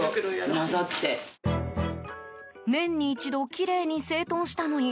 年に一度きれいに整頓したのに